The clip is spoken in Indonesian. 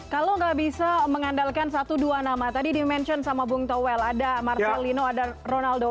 kalau nggak bisa mengandalkan satu dua nama tadi di mention sama bung towel ada marcelino ada ronaldo